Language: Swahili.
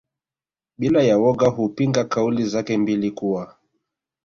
bila ya woga kupinga kauli zake mbili kuwa